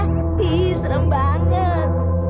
hihih serem banget